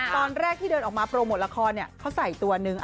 ตอนแรกที่เดินออกมาโปรโมทละครเขาใส่ตัวนึง